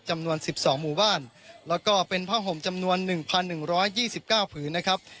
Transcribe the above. จำนวน๑๒หมู่บ้านแล้วก็เป็นผ้าห่มจำนวน๑๑๒๙ผืนนะครับ